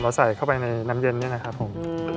ใส่เข้าไปในน้ำเย็นนี่แหละครับผม